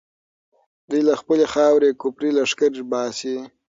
دوی له خپلې خاورې کفري لښکر باسي.